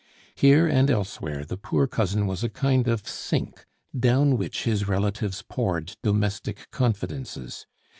Here and elsewhere the poor cousin was a kind of sink down which his relatives poured domestic confidences.